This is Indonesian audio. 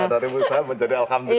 dari mustahil menjadi alhamdulillah